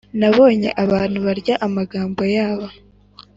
nabonye abantu barya amagambo yabo